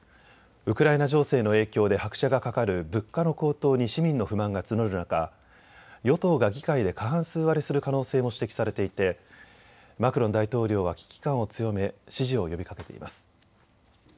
ウクライナ情勢の影響で拍車がかかる物価の高騰に市民の不満が募る中、与党が議会で過半数割れする可能性も指摘されていてマクロン大統領は危機感を強め支持を呼びかけています。